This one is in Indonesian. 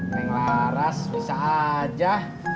neng laras bisa aja